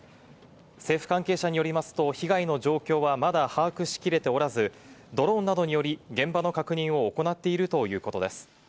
政府関係者によりますと、被害の状況はまだ把握しきれておらず、ドローンなどにより、現場の確認を行っているということです。